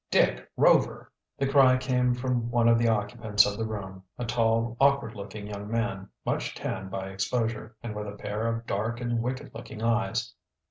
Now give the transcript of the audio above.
"Dick Rover!" The cry came from one of the occupants of the room, a tall, awkward looking young man, much tanned by exposure, and with a pair of dark and wicked looking eyes.